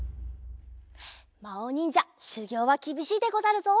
まおにんじゃしゅぎょうはきびしいでござるぞ。